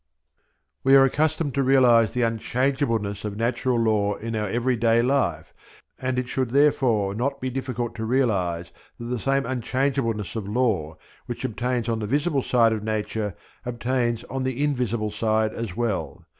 We are accustomed to realize the unchangeableness of natural law in our every day life, and it should therefore not be difficult to realize that the same unchangeableness of law which obtains on the visible side of nature obtains on the invisible side as well.